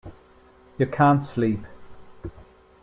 You can't sleep.